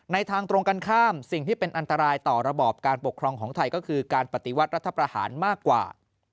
ทางตรงกันข้ามสิ่งที่เป็นอันตรายต่อระบอบการปกครองของไทยก็คือการปฏิวัติรัฐประหารมากกว่า